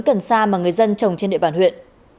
cần sa mà người dân trồng trên địa bàn huyện